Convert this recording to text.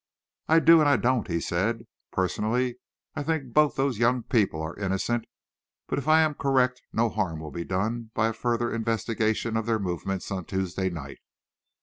"I do and I don't," he said. "Personally, I think both those young people are innocent, but if I am correct, no harm will be done by a further investigation of their movements on Tuesday night.